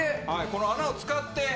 この穴を使って。